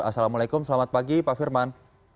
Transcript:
assalamualaikum selamat pagi pak firman